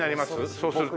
そうすると。